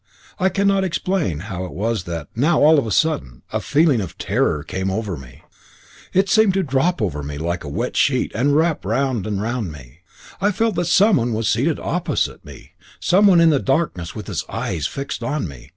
I cannot explain how it was that now, all of a sudden, a feeling of terror came over me; it seemed to drop over me like a wet sheet and wrap me round and round. I felt that someone was seated opposite me someone in the darkness with his eyes fixed on me.